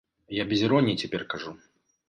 Я без іроніі цяпер кажу.